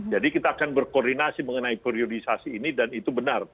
jadi kita akan berkoordinasi mengenai periodisasi ini dan itu benar